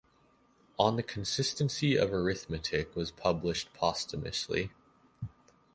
"On the consistency of arithmetic" was published posthumously.